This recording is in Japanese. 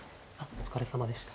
お疲れさまでした。